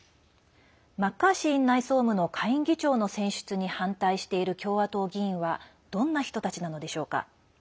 マッカーシー院内総務の下院議長の選出に反対している共和党議員はどんな人たちなのでしょうか。